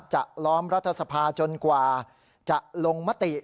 ล้อมรัฐสภาจนกว่าจะลงมติ